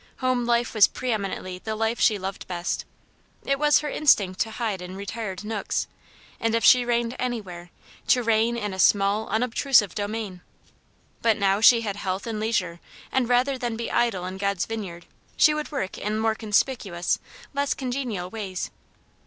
Home life was pre eminently the life she loved best ; it was her instinct to hide in retired nooks, and if she reigned anywhere, to reign in a small, unobtrusive domain. But now she had health and leisure, and rather than be idle in God's vineyard she would work in more conspicuous, less congenial ways.